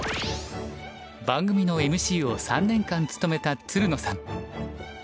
番組のＭＣを３年間務めたつるのさん。